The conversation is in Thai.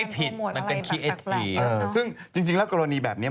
เป็นครีเอทีฟ